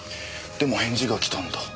でも返事が来たんだ。